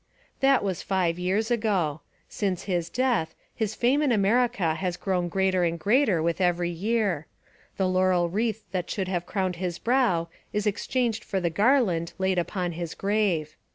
That was five years ago. Since his death, his fame in America has grown greater and greater with every year. The laurel wreath that should have crowned his brow is exchanged z6$ Essays and Literary Studies for the garland laid upon his grave.